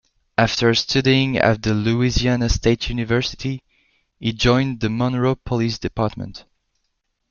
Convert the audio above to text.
After studying at the Louisiana State University, he joined the Monroe Police Department.